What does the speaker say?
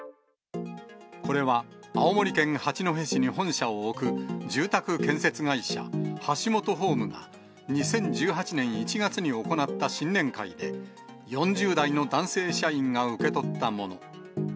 これは青森県八戸市に本社を置く住宅建設会社、ハシモトホームが２０１８年１月に行った新年会で、４０代の男性社員が受け取ったもの。